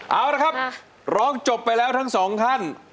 เอาละครับร้องจบไปแล้วทั้งสองท่าน